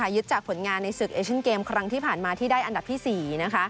ยึดจากผลงานในศึกเอเชียนเกมครั้งที่ผ่านมาที่ได้อันดับที่๔